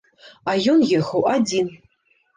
А ён ехаў адзін.